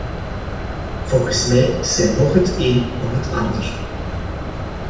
Volgens mij is zij noch het een noch het ander.